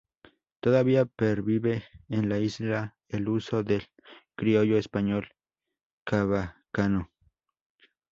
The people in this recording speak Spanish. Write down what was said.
Todavía pervive en la isla el uso del criollo español: chabacano.